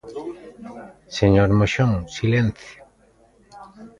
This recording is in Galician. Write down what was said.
¡Señor Moxón, silencio!